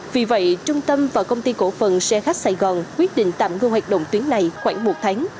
vì vậy trung tâm và công ty cổ phần xe khách sài gòn quyết định tạm ngưng hoạt động tuyến này khoảng một tháng